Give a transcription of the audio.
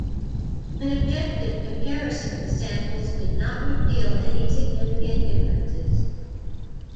An objective comparison of the samples did not reveal any significant differences.